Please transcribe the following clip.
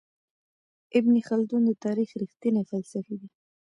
ابن خلدون د تاريخ رښتينی فلسفي دی.